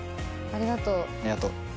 ありがとう。